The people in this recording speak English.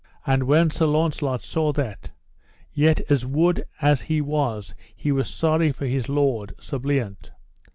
And when Sir Launcelot saw that, yet as wood as he was he was sorry for his lord, Sir Bliant.